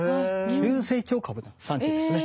急成長株の産地ですね。